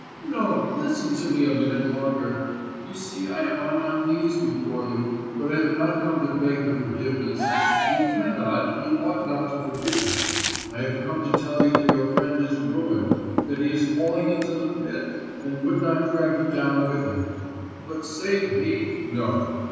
'No, listen to me a minute longer. You see I am on my knees before you, but I have not come to beg your forgiveness; you cannot, you ought not to forgive me. I have come to tell you that your friend is ruined, that he is falling into the pit, and would not drag you down with him.... But save me ... no!